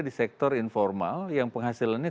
di sektor informal yang penghasilannya